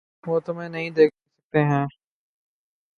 وہ تمہیں نہیں دیکھ سکتے ہیں۔